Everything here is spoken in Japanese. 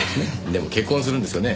でも結婚するんですよね？